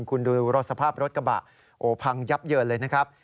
คุณดูรถสภาพรถกระบะโอ้พังยับเยินเลยนะครับ